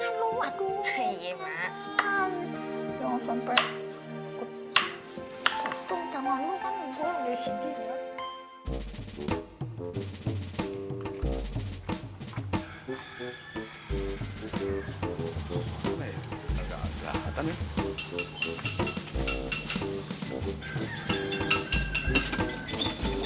jangan sampai kutuk tangan lo kan gue yang di sini dulu